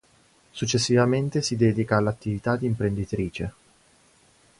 Successivamente si dedica all'attività di imprenditrice.